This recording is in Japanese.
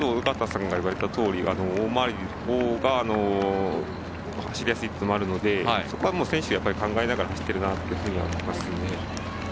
大回りの方が走りやすいというのもあるのでそこは選手、考えながら走っているなとに思いますね。